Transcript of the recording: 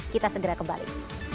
kita segera kembali